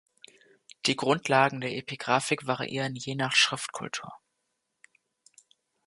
Die Grundlagen der Epigraphik variieren je nach Schriftkultur.